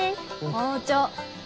包丁！